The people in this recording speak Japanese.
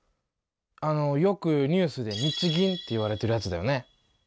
あのよくニュースで日銀っていわれてるやつだよね。